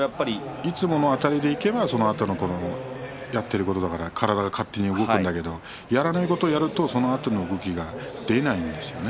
いつものあたりでいけばやっていることだから体が勝手に動くんだけれどもやらないことをやるとそのあとの動きがでないんですね。